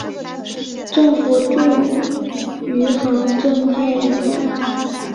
政府驻余杭镇太炎路。